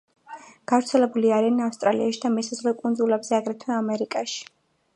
გავრცელებული არიან ავსტრალიაში და მოსაზღვრე კუნძულებზე, აგრეთვე ამერიკაში.